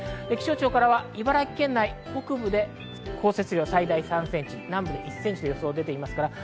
気象庁からは茨城県内、北部で降雪量最大３センチ、南部は１センチと予想が出ています。